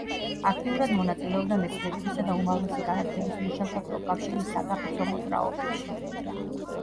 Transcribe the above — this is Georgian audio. აქტიურად მონაწილეობდა მეცნიერებისა და უმაღლესი განათლების მუშაკთა პროფკავშირის საგაფიცვო მოძრაობებში.